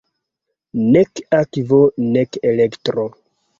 Nek akvo, nek elektro.